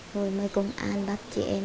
rồi mấy công an bắt chị em